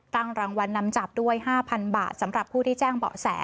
รางวัลนำจับด้วย๕๐๐๐บาทสำหรับผู้ที่แจ้งเบาะแส